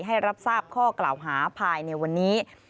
ให้รับทราบข้อกล่าวหาภายในวันนี้